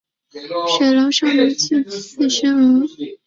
水龙兽已具有次生腭。